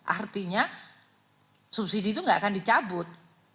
artinya subsidi itu nggak akan dicabut